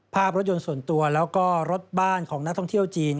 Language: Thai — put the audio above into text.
ภาพรถยนต์ส่วนตัวแล้วก็รถบ้านของนักท่องเที่ยวจีน